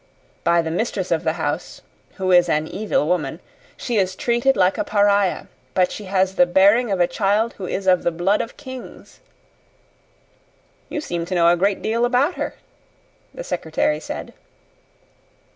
By the mistress of the house who is an evil woman she is treated like a pariah; but she has the bearing of a child who is of the blood of kings!" "You seem to know a great deal about her," the secretary said.